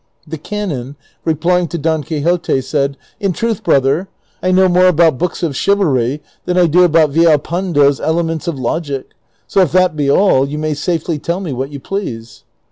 The canon, replying to Don Quixote, said, " In truth, brother, I know more about books of chivalry than I do about Villal pando's elements of logic ;^ so if that be all, you may safely tell me what you please."